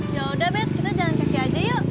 yaudah bed kita jalan kaki aja yuk